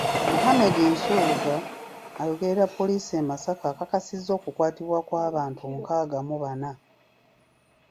Muhammad Nsubuga ayogerera poliisi e Masaka akakasizza okukwatibwa kw'abantu nkaaga mu bana.